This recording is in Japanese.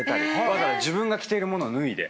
わざわざ自分が着ているものを脱いで。